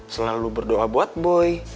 selalu berdoa buat boy